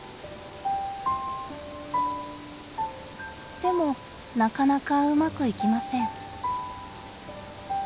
でもなかなかうまくいきません。